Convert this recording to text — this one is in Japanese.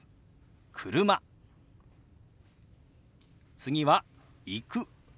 次は「行く」。